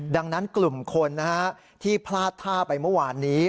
ดังนั้นกลุ่มคนที่พลาดท่าไปเมื่อวานนี้